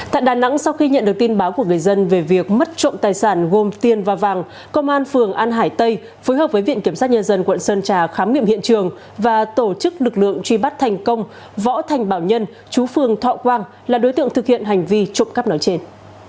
tại đà nẵng sau khi nhận được tin báo của người dân về việc mất trộm tài sản gồm tiền và vàng công an phường an hải tây phối hợp với viện kiểm sát nhân dân quận sơn trà khám nghiệm hiện trường và tổ chức lực lượng truy bắt thành công võ thành bảo nhân chú phường thọ quang là đối tượng thực hiện hành vi trộm cắp nói trên